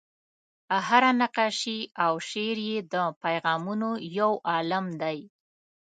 هره نقاشي او شعر یې د پیغامونو یو عالم دی.